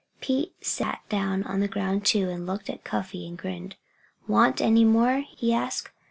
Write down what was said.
Pete sat down on the ground too and he looked at Cuffy and grinned. "Want any more?" he asked.